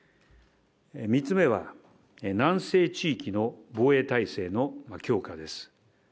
３つ目は、南西地域の防衛体制の強化です。